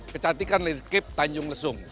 kecantikan landscape tanjung lesung